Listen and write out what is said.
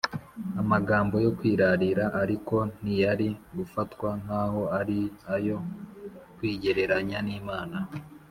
amagambo yo kwirarira, ariko ntiyari gufatwa nk’aho ari ayo kwigereranya n’imana